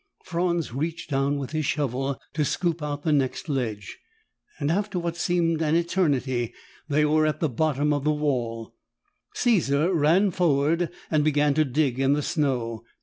Franz reached down with his shovel to scoop out the next ledge. After what seemed an eternity, they were at the bottom of the wall. Caesar ran forward and began to dig in the snow.